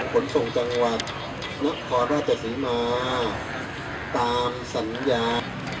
ขนส่งจังหวัดนครราชศรีมาตามสัญญา